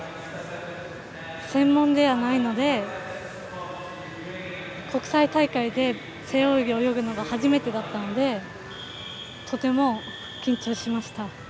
専門ではないので国際大会で背泳ぎを泳ぐのが初めてだったのでとても緊張しました。